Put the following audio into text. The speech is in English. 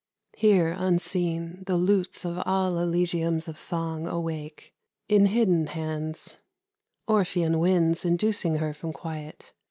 Here, unseen, The lutes of all Elysiums of song Awake in hidden hands, Orphean winds Inducing her from quiet.